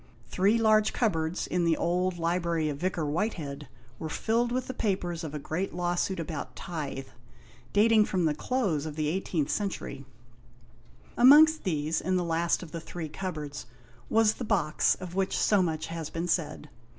Three large cupboards in the old library of Vicar Whitehead were filled with the papers of a great law suit about tithe, dating from the close of the 18th century. Amongst these, in the last of the three cupboards, was the box of which so much has been said.